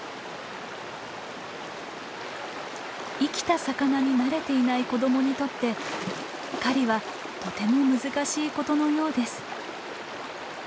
生きた魚に慣れていない子どもにとって狩りはとても難しいことのようです。